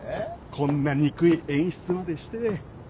こんな憎い演出までして。